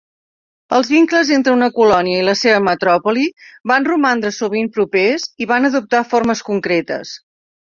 Els vincles entre una colònia i la seva metròpoli van romandre sovint propers i van adoptar formes concretes.